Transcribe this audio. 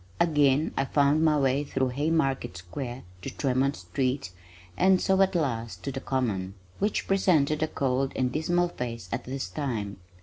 Again I found my way through Haymarket Square to Tremont street and so at last to the Common, which presented a cold and dismal face at this time.